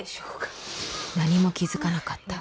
何も気づかなかった